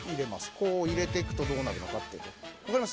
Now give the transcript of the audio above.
こう入れてくとどうなるのかっていうと分かります？